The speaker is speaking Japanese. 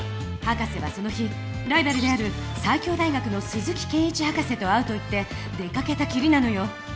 博士はその日ライバルである西京大学の鈴木研一博士と会うと言って出かけたきりなのよ。